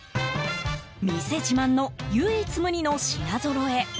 店自慢の唯一無二の品ぞろえ。